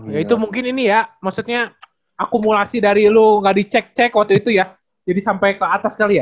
ya itu mungkin ini ya maksudnya akumulasi dari lu nggak dicek cek waktu itu ya jadi sampai ke atas kali ya